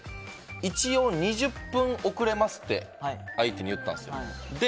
一応、２０分遅れますって相手に言ったんですよ。